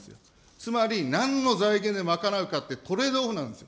つまりなんの財源で賄うかって、トレードオフなんですよ。